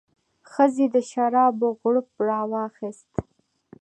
ښځې د شرابو غوړپ راواخیست.